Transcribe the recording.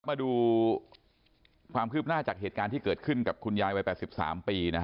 มาดูความคืบหน้าจากเหตุการณ์ที่เกิดขึ้นกับคุณยายวัย๘๓ปี